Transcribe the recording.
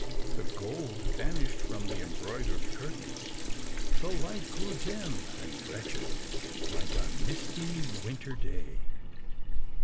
The gold vanished from the embroidered curtains, the light grew dim and wretched like a misty winter day.